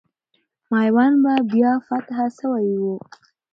میوند به بیا فتح سوی وو.